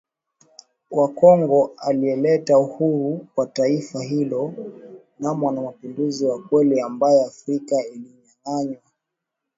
wa Kongo aliyeleta uhuru kwa Taifa hilo na Mwanamapinduzi wa kweli ambaye Afrika ilinyanganywa